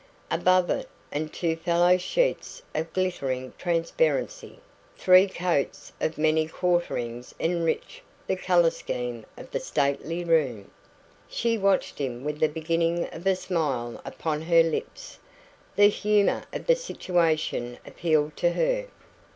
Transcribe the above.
Above it and two fellow sheets of glittering transparency, three coats of many quarterings enriched the colour scheme of the stately room. She watched him with the beginning of a smile upon her lips. The humour of the situation appealed to her.